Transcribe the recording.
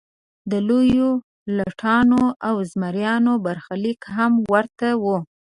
د لویو لټانو او زمریانو برخلیک هم ورته و.